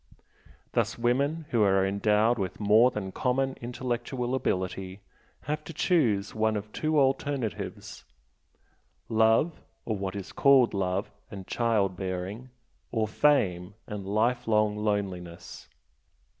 Thus women who are endowed with more than common intellectual ability have to choose one of two alternatives love, or what is called love, and child bearing, or fame, and lifelong loneliness.